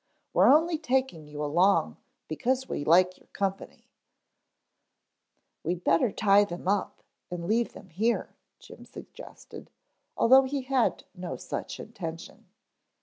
We're only taking you along because we like your company " "We'd better tie them up and leave them here," Jim suggested, although he had no such intention.